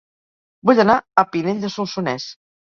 Vull anar a Pinell de Solsonès